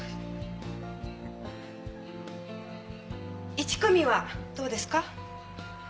１組はどうですか？